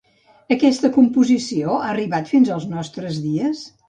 Aquesta composició ha arribat fins als nostres dies?